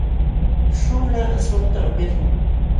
śhuula aswakta upyaśhun.